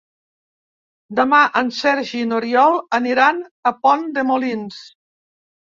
Demà en Sergi i n'Oriol aniran a Pont de Molins.